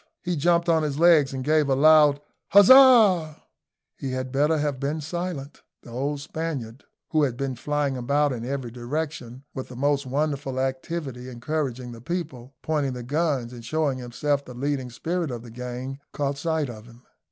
He jumped on his legs and gave a loud huzzah. He had better have been silent. The old Spaniard, who had been flying about in every direction with the most wonderful activity, encouraging the people, pointing the guns, and showing himself the leading spirit of the gang, caught sight of him.